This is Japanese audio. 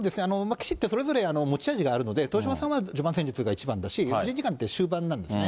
棋士ってそれぞれ持ち味があるので、豊島さんは序盤戦術が強いのが一番だし、時間が終盤なんですね。